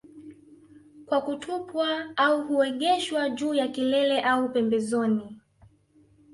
Kwa kutupwa au huegeshwa juu ya kilele au pembezoni